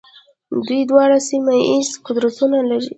دوی دواړه سیمه ییز قدرتونه دي.